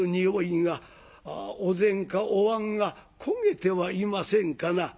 お膳かおわんが焦げてはいませんかな？」。